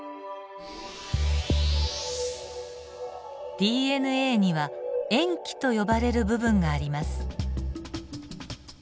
ＤＮＡには塩基と呼ばれる部分があります。